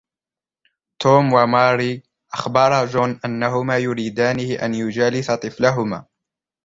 توم وماري أخبرا جون أنهما يريدانه أن يجالس طفلهما